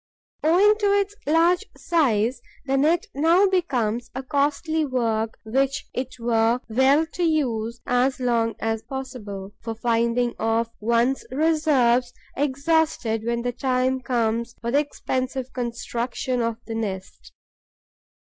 Owing to its large size, the net now becomes a costly work which it were well to use as long as possible, for fear of finding one's reserves exhausted when the time comes for the expensive construction of the nest.